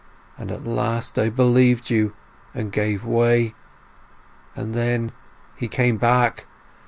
And at last I believed you and gave way!... And then he came back!